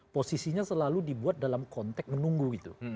posisinya selalu dibuat dalam konteks menunggu gitu